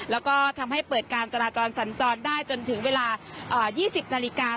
แล้วก็ทำให้เปิดการจราจรสัญจรได้จนถึงเวลา๒๐นาฬิกา